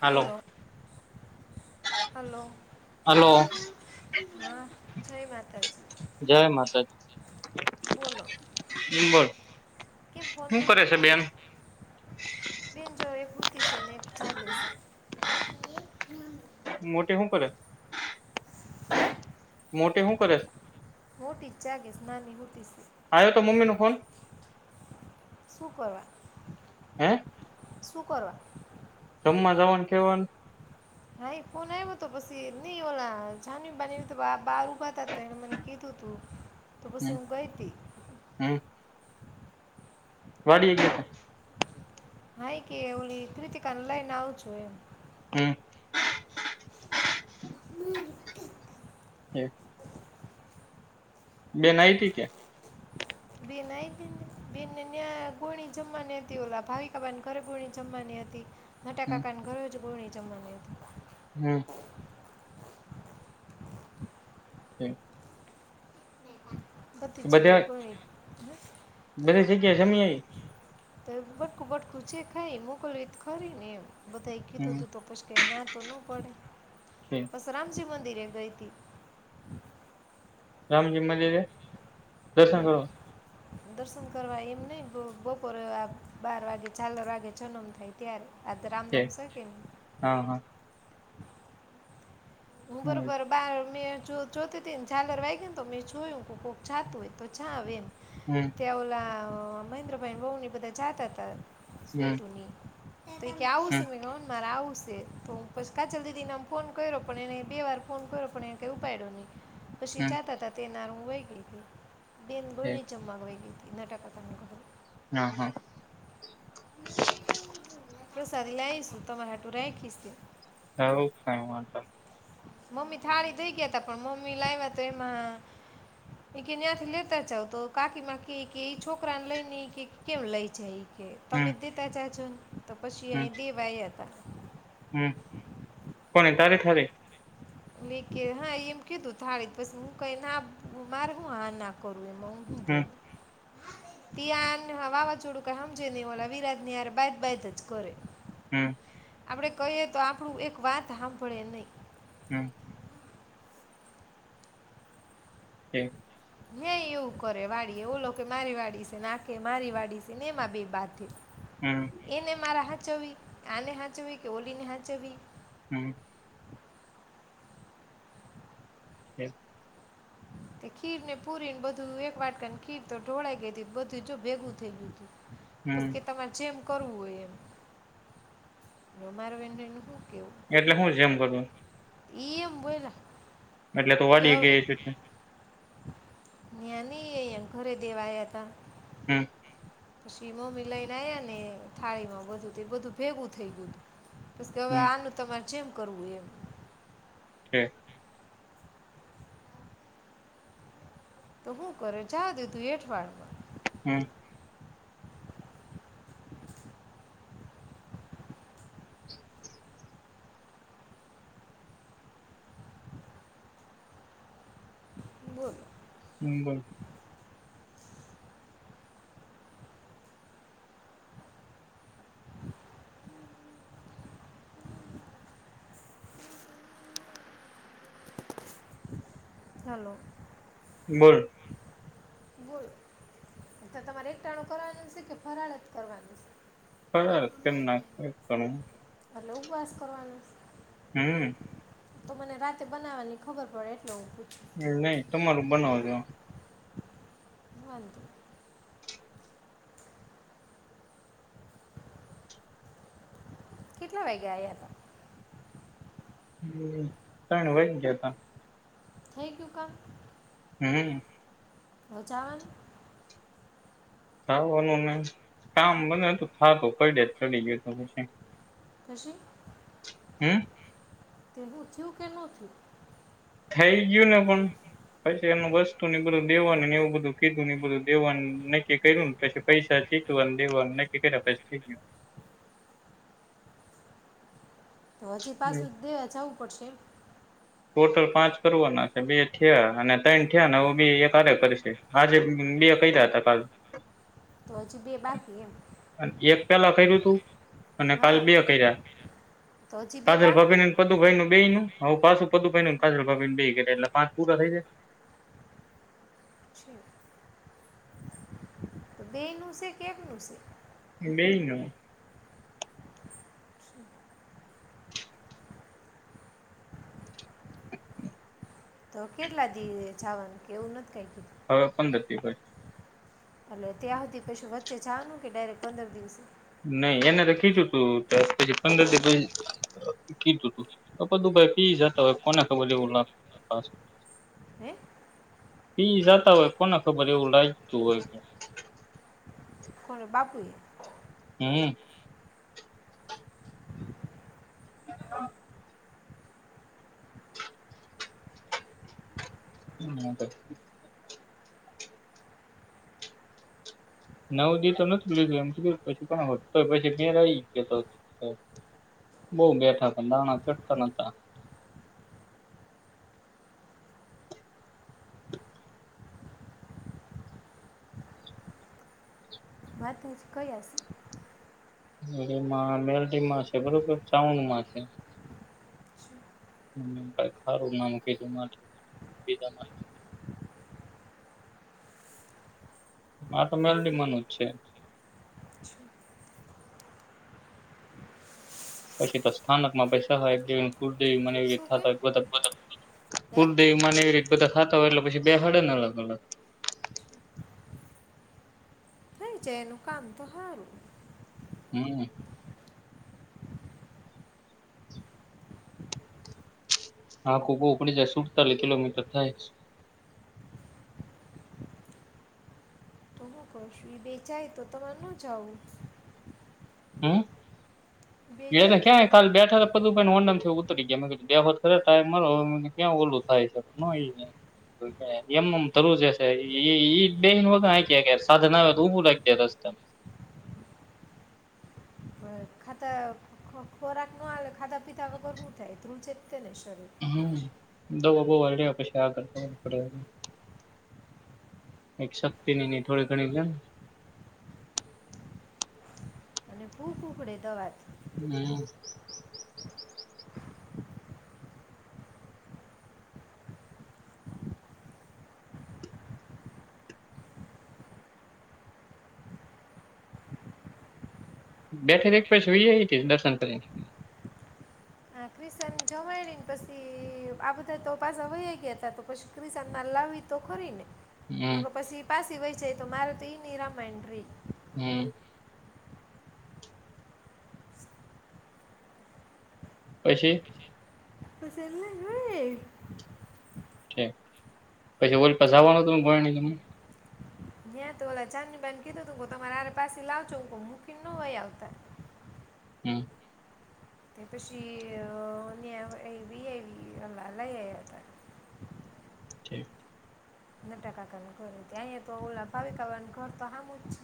હાલો! Hello hello! Hello હા જય માતાજી જય માતાજી બોલો. બોલ કેમ ફોન શું ના કરે છે કર્યો બેન બેન જો એક સુતી છે ને એક જાગી છે. મોટી હું કરે હે મોટી હુ કરેસ? [unintelligible] આવ્યો તો મમ્મી નો ફોન શું કરો? હે શું કરો? જમવા જવાનું કેવાનું. હા એ ફોન આવ્યો હતો પછી નઈ ઓલા જાન બાની બાર ઉભા તા ત એણે મને કીધું તું તો પસ હમ હું ગઈ તી. હમ વાડી ને હા કે એ કેવલી કૃતિકાને લઈને આવું છું એમ. હું [unintelligible] [unintelligible] બેન આઇટી કે બેન આઇતીન બેન ને યા ગુણી જમવાની હતી ઓલા ભાવિકાબેન ઘરે ગુણી જમવાની હતી. નટાકાકા ઘરજ બોણી. [inaudible] હ [inaudible] બધી બધા જગ્યાએ ભણ્યા. [inaudible] બધી જગ્યા જમી આવી તો બટકું બટકું છે ખાઈ મોકલવી ખરીને એમ. બધાએ કીધું તું તું તો પશ એના. તો ન પડ. હમ બસ રામજી મંદિર. ત્યાં ગઈતી. રામજી મંદિરે. દર્શન લે કરો. દર્શન કરવા એમ નહિ બ બપોરે બાર વાગે ઝાલર વાગે જન્મ થાય ત્યારે. આજ છે રામનવમી સે કે નહીં. હા હા હમ [unintelligible] બાર મે જો જોતી થી ન ઝાલર વાઈગી ને તો મેં જોયું કે કોક જાતું હોય તો જાવ એમ. હમ તેવલા. મહેન્દ્રભાઈ ન વહુ ને એ બધા જાતા તા. હમ સ્વીટુની તો કે આવું સ હમ મે કીધું મારે આવું સ. તો પછી કાજલ દીદી ને અમ ફોન કર્યો. પણ એને બે વાર ફોન કર્યો પણ એન કંઈ ઉપાડ્યો નહીં. પછી હમ જાતા હતા તેના [inaudible] છે [unintelligible] [unintelligible] હા, હા. [inaudible] પ્રસાદી લાઈશું તમારા આટું રાયખી સે. હોવ કાંઈ વાંધો નહીં. મમ્મી થાળી દઈ ગયા તા પણ મમ્મી લાયવા તો એમાં ઈ કે ન્યાંથી લેતા જાવ તો કાકીમાં કેય કે ઈ છોકરાને લઈ ને ઈ કે કેમ લઈ જાય ઈ. કે તમે હમ દેતા જ જાજોન. તો પછી અહીં દેવા આયા તા. હમ્મ, કોને તારે ઘરે? ઈ કે હા ઈએ એમ કીધું થાળી પસી હું કાંઈ ના, મારે હું હા ના કઉં. એમાં હું હું હમ બોલું. ત્યાંન આ વાવાજોડું કાંઈ હમજે નહીં ઓલા વિરાજ ની હારે બાયજ-બાયજ જ કરે. હમ્મ. આપણે કહીએ તો આપણું એક વાત હાંભળે નહીં. હમ્મ. [unintelligible] નહી એવું કરે વાડી ઓલો કે મારી વાડી છે નાખે મારી વાડી છે ને એમાં બે બાથે હમ એને મારા હા હાચવી આને હાંચવી કે ઓલીને હાચવી હ એમ ખીર ને પૂરી ને બધું એક વાટકાને ખીર તો ઢોળાઈ ગઈ બધું જો ભેગું થઈ ગ્યું તું. તો હમ કે તમાર જેમ કરવું હોય એમ ને મારે એમ ને કીધું કે એટલે હું જેમ કરવાનું એ એમ બોઈલા. એટલે તું વાડી એ ગઈ હશે ને. યાની એ એ ઘરે દેવાયા તા. હં શીવમે લઈને આવ્યા ને થાળીમાં બધું તે બધું ભેગું થઈ ગયું. તે અવ હમ આનું તમારે જેમ કરવુ એમ હે તો હું કરે જાવા દીધું એઠવાડ હું [unintelligible] હં બોલ. હાલો બોલ. બોલ તો તમારે એકટાણું કરવાનું છે કે ફરાળ જ કરવાનું છે? ફરાળ [unintelligible] [unintelligible] ઉપવાસ કરવાનો? હં તો મને રાતે બનાવવાની ખબર પડે એટલે પૂછું એવું નહી તમારૂ બનાવજો. હં કેટલા વાગે આયા? [unintelligible] ત્રણ વાગી ગયા તા. થઈ ગયુ કામ? હમ હમ. હવે જાવાનું? થાવાનું નહીં કામ બને તો થાતું, પૈડે જ ચડી ગયું તું પછી. થશે? હમ? તેવું થયું કે થયું? થઈ ગયું ને પણ પછી એનું વસ્તુ ને બધું દેવાનું ન એવું બધું કીધું ન ઇ બધું દેવાનું નક્કી કર્યું ને પછી પૈસા ચૂકવ્યા ન દેવાનું નક્કી કર્યા પછી થઈ ગયું. તો હજી ગયું પાછું દેવા જવું પડશે એમ? ટોટલ પાંચ કરવાના છે બે થયા અને ત્રણ થયા ને હવે બી એક હારે કરશે આજે બે કયરા તા કાલ. તો હજી બે બાકી એમ અને એક પેલા કર્યું તું અને કાલે હા બે કર્યા તો હજી બે કાજલ બાકી ભાભીનું ન પદુભઈ બેય નું હવ પાછું પદુભાઈનું ન કાજલ ભાભી નું બેય કર્યા, એટલે પાંચ પૂરા થઈ જાય. છે. તો બે નું છે કે એક નું છે? બૈ નો. તો કેટલા દી જવાના કે એવું નથ કઈ? એ ભાઈ એટલે ત્યાં સુધી પછું વચ્ચે જનું કે ડાયરેક્ટ પંદર દિવસે? નહી એને તો કીધું તું પછી પંદર થીસ કીધું તું બધું ભાઈ પી જતા હોય કોને ખબર એવું લાગતું પા હે પી જતા હોય કોને ખબર એવું લાગતું હોય છે. કરરો બાપુ એ? હમ્મ. [unintelligible] હા તો નવ દી તો નું લીધું એમ કીધું પછય પછી ઘેર આવી ગ તો બહુ બેઠા હતા નાણા ચઢતા નતા. વાત તું જ કયા હશે? મેં માં મેલડીમાં છે બરોબર ચાઉનમાં છે. હમ્મ કાંઈક ખારું નામ કીધું [unintelligible] આ તો મેલડી મનજ છે. પછી તો સ્થાનકમાં પૈસા હા દિન કુલ થી મને એવી થ શું કે બધા બતપ હે કુલદેવી માં ને એવી રીત બધા ખાતા હોય એટલે પછી બેહાડે ને અલગ અલગ. થઈ જાએ એનું કામ તો હારું. હમ્મ. આખું કો ઉપડી જાય સુડતાલી કિલોમીટર થાય. શું કશું એ બેચાય તો તમારે ન જાવું. હમ્મ? એને બેચાય તો ક્યાં કાલ તમારે બેઠા તો બધું ઓનમ થયું. તો ગયા બે વત ખરે થાય મારો ક્યાં ઓલું થાય છે એમમ થરું એમ નેમ થારૂ ઈ છે બે વગ્યા સાધ ના આવે તો ભું લાગ રસ્તે માં. અ, ખાતા ખો ખોરાક નો આલે ખાતા પીતા વગર હું થાય ધ્રુજે તેને શરીર. હમ દવા બોહ આઇડિયા આપે છે આગળ પડે એક શક્તિનીની થોડી ઘણી દેન. કૂકડે દવાત. હમ્મ. બેઠે એક પછી વી આઈ હતી દર્શન કરી ને. હા ક્રિસન જમાયણી ને પછી આ બધા તો પાછા વહી ગયા હતા તો પછી ક્રિસનમાં લાવી તો ખરી ને. હમ નકો પછી પાછી વેચાએ તો મારે તે નીરા મેન્દ્રી. હમ પછી પછી સેલે લઈ. ઠે પછી ઓલું પશા વાળા બડ હેની. બો ચાંદની બેન કીધું તું તમારે હારે પાછ લાવ છો હું મૂકીને ન હોય આવતા. હમ્મ. તે પછી અહ એવી એવી હ લઈ હૈ હતા. ઠી. ન ટાકાકા ઘર અહીંયા તો ઓ ભાવિકાવાનું ઘર તો હમુંજ છે.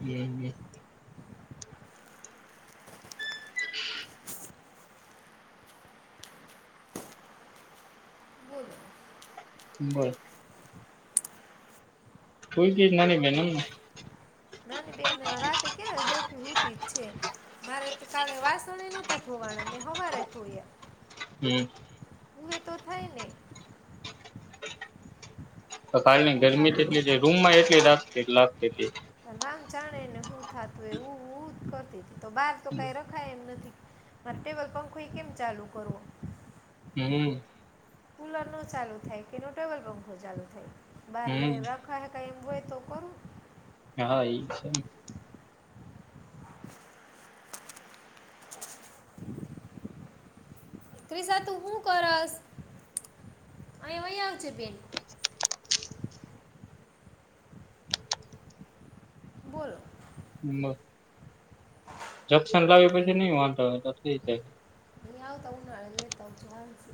હમ્મ, હમ્મ. છે બોલો બર કોઈ કી જ નાની બેન. નથી બેન દ્વારા રાતે ક્યાં હરકી હુતી જ છે મારે તો કાલે વાસણ નો હતા ધોવાણાં મેં હવારે ધોયા. હમ્મ. હું એ તો થાય ને. તો કાલની હું ગરમી થાતું એટલી રૂમમાં એટલી રાગતી લાગતી. પણ રામ જાણે ને હું થાતું એહું હું જ કરતી તી. તો બહાર તો કઈ રખાય એમ નથી. મારે ટેવલ પંખો ઈ કેમ ચાલુ કરવો. હમ્મ. કુલર નો ચાલુ થાય કે નો ટેબલ પંખો ચાલુ થાય. બાર હમ રય રખાય. કઈ એવું હોય તો કરું. હા એ છે ને. ત્રિશા તું હું કરશ અહ્યા વહી આવજે બેન. બોલો મગ જક્શન લાવી પછી નઈ વાંધો હોય તો થઈ જાય. નાયલે તો ચાલશે.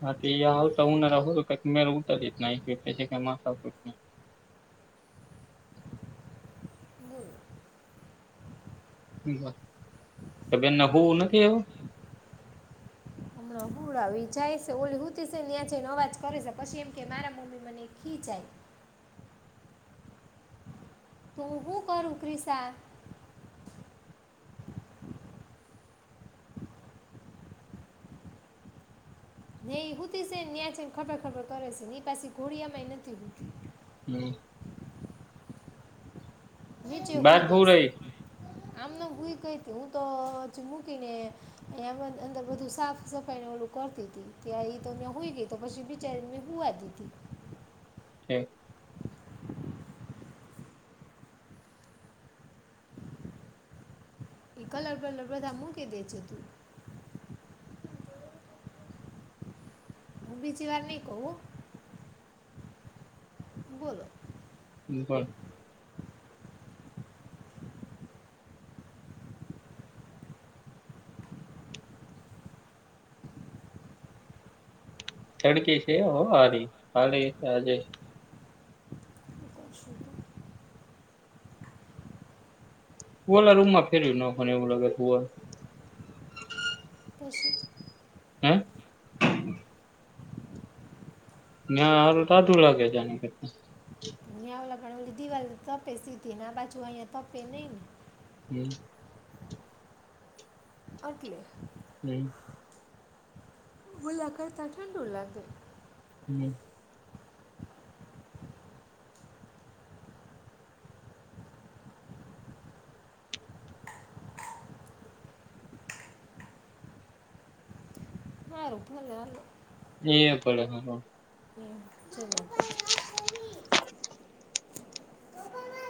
હા તે એ આવતા ઉનારા હુધી કઈક મેર ઉતારી જ નાયએ પછી કઈ માથાકૂટ નઇ. બોલો એ બેનને હુવુ નથી અવે. હમણ હુવડાવી જાય સ ઓલી હુતી સેને ન્યા જઈન અવાજ કરે સે પછી એમ કે મારા મમ્મી મને ખીજાય. તો હું હુ કરું ક્રિસા. ઇ હુતી સેન ન્યા જઇન ખખર ખખર કર સન ઈ પાછી ઘોડિયામાંય નથી હુતી. હમ્મ. બા હુ રહી. આમનમ હુઈ ગઈતી હું તો જ મૂકીને હેમંત અંદર બધું સાફ સફાઈને ઓલું કરતીતી ત્યાં ઈ તો ત્યાં હુઇ ગઈ તો પછી બિચારીન મેં હુવા દીધી. હે એ કલર બલર બધા મૂકી દેજે તું. હું બીજી વાર નઇ કવ હો બોલો હમ બોલ તડકી છે હો હારી કાલે આજે. હું કરશું ઓલા રૂમમાં ફેરવી નોખવાનુ એવું લાગે તો હુવા નુ. પસી હે ત્યાં હારુ ટાઢું લાગે છે. આના કરતા. અય આવ એટલે ઘણી બધી દિવાલ ને એ તપે સીધીન આ બાજુ અંયા તપે નહી ને હમ [inaudible] એટલે હમ ઓલા કરતા ઠંડુ લાગે. હમ હારુ ભલે હાલો. એ ભલે હારુ. એમ જય માતાજી પપ્પા વાત કરી પપ્પા વાત